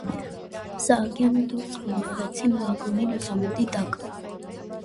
Սահակյանը դուրսը խմբվեցին վագոնի լուսամուտի տակ: